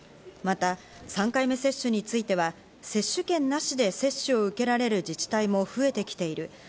また３回目接種については接種券なしで接種を受けられる自治体も増えてきている。